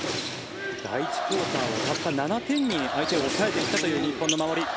第１クオーターをたった７点に相手を抑えたという日本の守り。